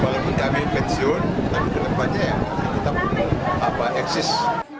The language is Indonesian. walaupun kami pensiun tapi kelepannya ya kita punya eksis